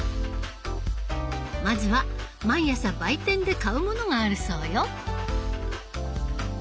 まずは毎朝売店で買うものがあるそうよ。